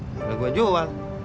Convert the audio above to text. udah gue jual